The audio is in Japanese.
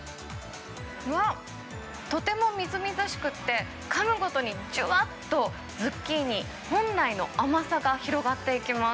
うわっ、とてもみずみずしくって、かむごとにじゅわっとズッキーニ本来の甘さが広がっていきます。